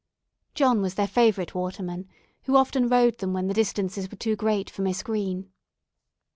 John was their favourite waterman, who often rowed them when the distances were too great for Miss Green.